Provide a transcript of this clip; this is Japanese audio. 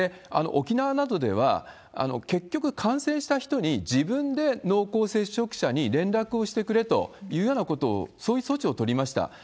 沖縄などでは、結局、感染した人に自分で濃厚接触者に連絡をしてくれというようなことを、そういう措置を取りました。